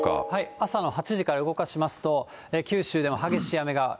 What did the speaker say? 朝の８時から動かしますと、九州でも激しい雨が。